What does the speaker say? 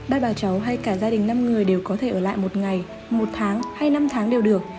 ba bà cháu hay cả gia đình năm người đều có thể ở lại một ngày một tháng hay năm tháng đều được